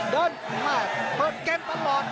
เดินมาเปิดเกมตลอด